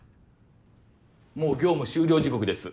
もう業務終了時刻です。